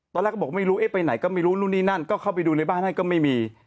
ตอนแรกก็บอกไม่รู้เอ๊ะไปไหนก็ไม่รู้นู่นนี่นั่นก็เข้าไปดูในบ้านนั้นก็ไม่มี